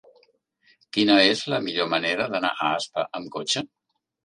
Quina és la millor manera d'anar a Aspa amb cotxe?